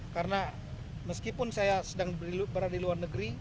karena meskipun saya sedang berada di luar negeri